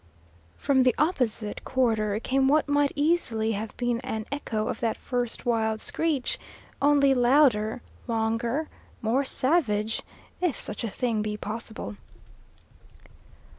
From the opposite quarter came what might easily have been an echo of that first wild screech, only louder, longer, more savage, if such a thing be possible.